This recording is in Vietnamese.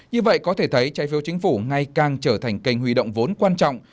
như vậy có thể thấy trái phiếu chính phủ ngay càng trở thành kênh huy động vốn quan trọng